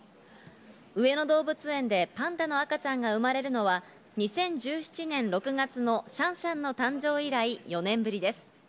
上野動物園でパンダの赤ちゃんが生まれるのは２０１７年６月のシャンシャンの誕生以来４年ぶりです。